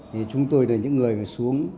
thì chúng tôi là những người mà xuống